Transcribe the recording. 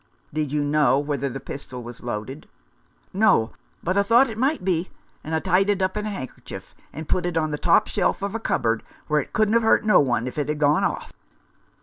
" Did you know whether the pistol was loaded ?" "No, but I thought it might be, and I tied it up in a handkerchief and put it on the top shelf of a cupboard, where it couldn't have hurt no one if it had gone off."